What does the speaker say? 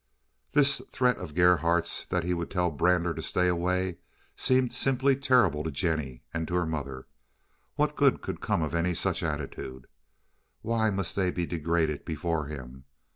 This threat of Gerhardt's, that he would tell Brander to stay away, seemed simply terrible to Jennie and to her mother. What good could come of any such attitude? Why must they be degraded before him?